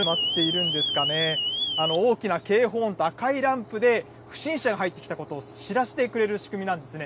大きな警報音と赤いランプで不審者が入ってきたことを知らせてくれる仕組みなんですね。